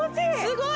すごい！